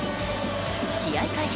試合開始